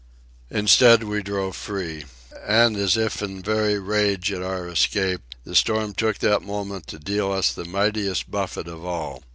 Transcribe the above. Instead we drove free. And as if in very rage at our escape, the storm took that moment to deal us the mightiest buffet of all.